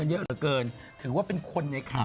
แล้วก็มีก๋วยเตี๊ยวโหน่งอยู่นั่นด้วยใช่ไหม